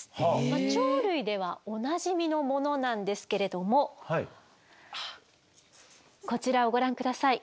鳥類ではおなじみのものなんですけれどもこちらをご覧下さい。